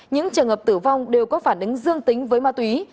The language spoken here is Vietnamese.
những trường hợp tử vong đều có phản ứng dương tính với ma túy